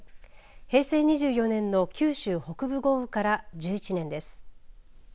平成２４年の九州北部豪雨から１１年です。